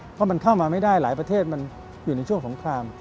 เพราะมันเข้ามาไม่ได้หลายประเทศมันอยู่ในช่วงสงคราม